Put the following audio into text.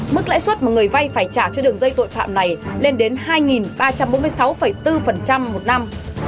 mức lãi suất mà người vay phải trả cho đường dây tội phạm này lên đến hai ba trăm bốn mươi sáu bốn một năm